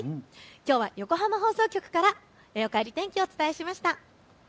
きょうは横浜放送局からおかえり天気お伝えしました。